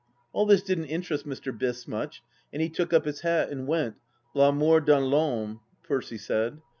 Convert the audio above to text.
... All this didn't interest Mr. Biss much, and he took up his hat and went, la mort dans Vdme, Percy said.